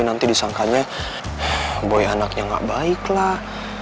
nanti disangkanya boy anaknya gak baik lah